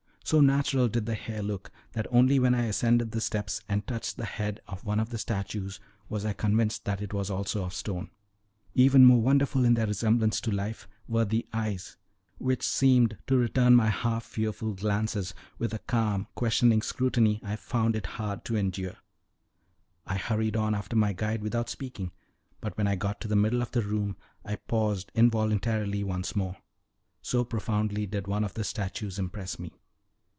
So natural did the hair look, that only when I ascended the steps and touched the head of one of the statues was I convinced that it was also of stone. Even more wonderful in their resemblance to life were the eyes, which seemed to return my half fearful glances with a calm, questioning scrutiny I found it hard to endure. I hurried on after my guide without speaking, but when I got to the middle of the room I paused involuntarily once more, so profoundly did one of the statues impress me.